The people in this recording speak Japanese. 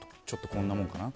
こんなもんかな。